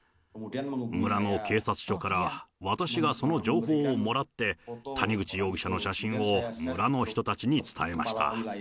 村の警察署から、私がその情報をもらって、谷口容疑者の写真を村の人たちに伝えました。